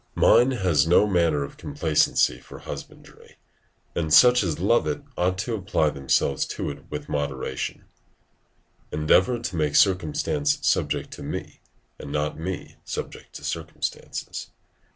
Mine has no manner of complacency for husbandry, and such as love it ought to apply themselves to it with moderation: ["Endeavour to make circumstances subject to me, and not me subject to circumstances."